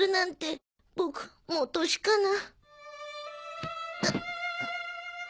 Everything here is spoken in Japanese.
ボクもう年かな。